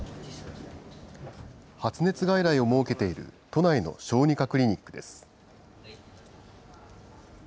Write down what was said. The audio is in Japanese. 発熱外来を設けている都内の小児科クリニックです。